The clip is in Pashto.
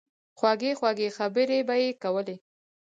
خوږې خوږې خبرې به ئې کولې